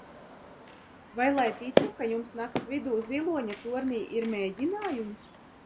Vai lai ticu, ka jums nakts vidū ziloņa tornī ir mēģinājums?